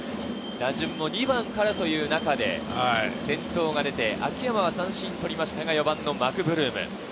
打順も２番からという中で、先頭が出て、秋山は三振に打ち取りましたが、４番のマクブルーム。